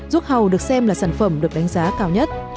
ruốc hầu được xem là sản phẩm được đánh giá cao nhất